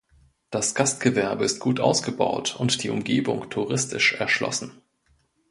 Das Gastgewerbe ist gut ausgebaut und die Umgebung touristisch erschlossen.